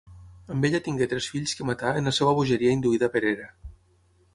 Amb ella tingué tres fills que matà en la seva bogeria induïda per Hera.